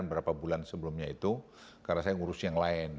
beberapa bulan sebelumnya itu karena saya ngurus yang lain